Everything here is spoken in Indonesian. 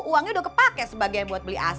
uangnya udah kepake sebagai buat beli ac